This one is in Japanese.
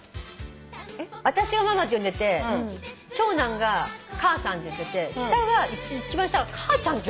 私はママって呼んでて長男が母さんって言ってて一番下がかあちゃんって呼ぶのね。